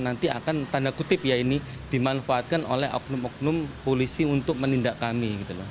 nanti akan tanda kutip ya ini dimanfaatkan oleh oknum oknum polisi untuk menindak kami